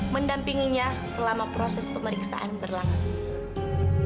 mendampinginya selama proses pemeriksaan berlangsung